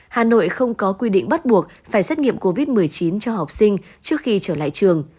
hà nội không có quy định bắt buộc phải xét nghiệm covid một mươi chín cho học sinh trước khi trở lại trường